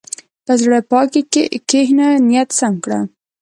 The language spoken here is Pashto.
په زړه پاکۍ کښېنه، نیت سم کړه.